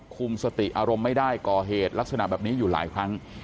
คุมสติอารมณ์ไม่ได้ก่อเหตุลักษณะแบบนี้อยู่หลายครั้ง